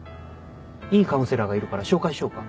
いいカウンセラーがいるから紹介しようか？